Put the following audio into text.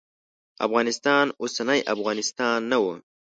افغانستان اوسنی افغانستان نه و.